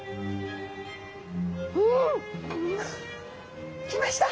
うん！きました！